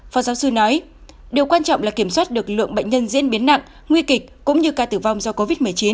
phó giáo sư nói điều quan trọng là kiểm soát được lượng bệnh nhân diễn biến nặng nguy kịch cũng như ca tử vong do covid một mươi chín